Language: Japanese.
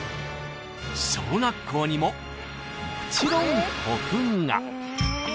小学校にももちろん古墳が！